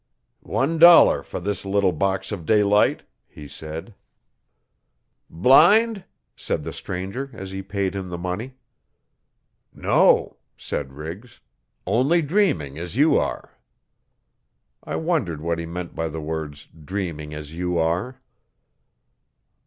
'One dollar for this little box of daylight,' he said. 'Blind?' said the stranger as he paid him the money. 'No,' said Riggs, 'only dreaming as you are. I wondered what he meant by the words 'dreaming as you are.